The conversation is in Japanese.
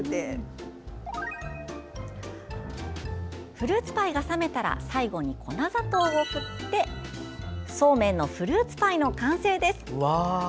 フルーツパイが冷めたら最後に粉砂糖を振ってそうめんのフルーツパイの完成です。